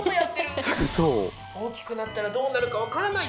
大きくなったらどうなるか分からないですね。